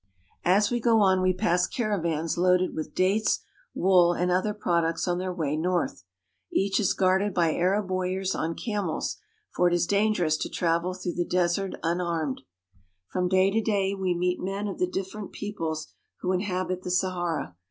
As we go on we pass caravans loaded with dates, wool, and other products on their way north. Each is guarded by Arab warriors on camels, for it is dangerous to travel through the desert unarmed. From day to day we meet men of the different peoples who inhabit the Sahara.